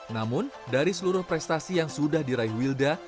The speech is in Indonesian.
namun dari seluruh prestasi yang sudah diraih wilda